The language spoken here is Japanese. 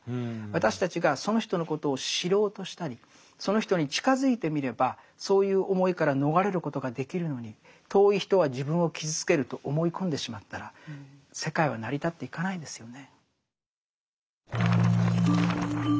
私たちがその人のことを知ろうとしたりその人に近づいてみればそういう思いから逃れることができるのに遠い人は自分を傷つけると思い込んでしまったら世界は成り立っていかないですよね。